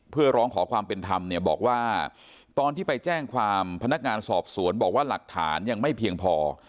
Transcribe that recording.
เพื่อร้องขอความเป็นธรรมเนี่ยบอกว่าตอนที่ไปแจ้งความพนักงานสอบสวนบอกว่าหลักฐานยังไม่เพียงพอ